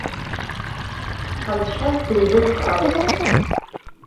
Ҳазшаз дузылԥхааит.